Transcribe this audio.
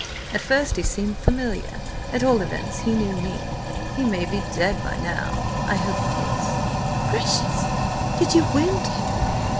At first he seemed familiar. At all events, he knew me. He may be dead by now. I hope he is." "Gracious! Did you wound him?"